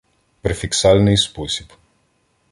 Префіксальний спосіб